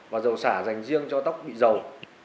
và dầu sả dành riêng cho tóc bị dầu